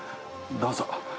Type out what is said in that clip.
どうぞ。